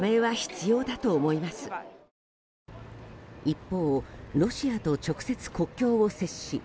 一方、ロシアと直接国境を接し